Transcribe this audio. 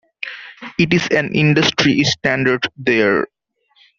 It is an industry standard there.